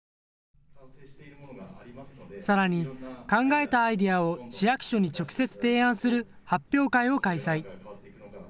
さらに考えたアイデアを市役所に直接提案する発表会を開催。